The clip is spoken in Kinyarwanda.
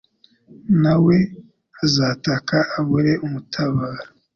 na we azataka abure umutabara